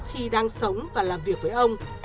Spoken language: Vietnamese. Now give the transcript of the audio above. khi đang sống và làm việc với ông